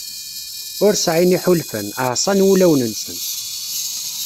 Ur sɛin iḥulfan, ɛṣan wulawen-nsen.